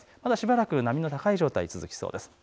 しばらく波高い状態続きそうです。